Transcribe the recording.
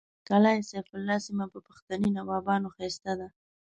کلا سیف الله سیمه په پښتني نوابانو ښایسته ده